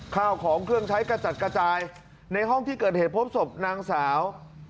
ข้าวของเครื่องใช้กระจัดกระจายในห้องที่เกิดเหตุพบศพนางสาว